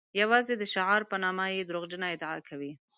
یوازې د شعار په نامه یې دروغجنه ادعا کوي.